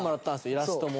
イラストも。